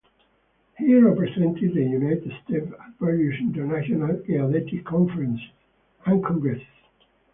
He represented the United States at various international geodetic conferences and congresses.